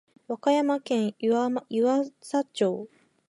和歌山県湯浅町